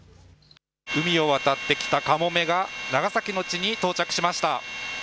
海を渡ってきたかもめが長崎の地に到着しました。